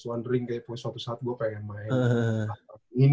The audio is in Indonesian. aduh gue pengen main